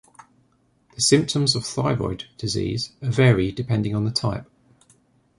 The symptoms of thyroid disease vary depending on the type.